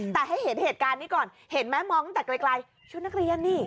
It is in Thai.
แต่ให้เห็นเหตุการณ์นี้ก่อนเห็นไหมมองตั้งแต่ไกลชุดนักเรียนนี่